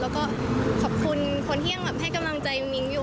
แล้วก็ขอบคุณคนที่ยังแบบให้กำลังใจมิ้งอยู่